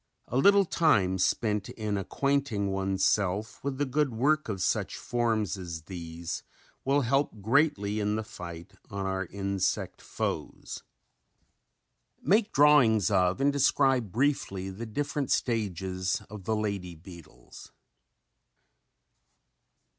A little time spent in acquainting one's self with the good work of such forms as these will help greatly in the fight on our insect foes. Make drawings of and describe briefly the different stages of the lady beetles.